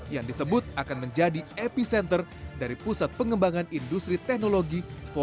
yang disebut akan menjadi epicenter dari pusat pengembangan industri teknologi empat